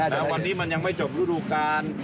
แต่วันนี้มันยังไม่จบรูดูการ